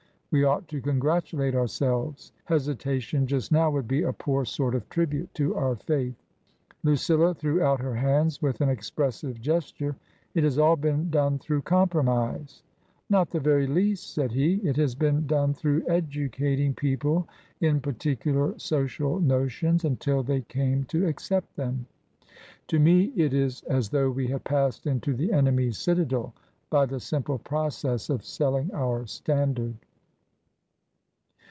We ought to congratulate ourselves. Hesitation just now would be a poor sort of tribute to our faith." Lucilla threw out her hands with an expressive gesture. " It has all been done through compromise !" "Not the very least," said he; "it has been done through educating people in particular social notions until they came to accept them." " To me it is as though we had passed into the enemy's citadel by the simple process of selling our standard